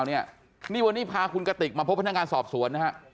นี่นี่วันนี้พาคุณกติกมาพบพนักงานสอบสวนนะฮะ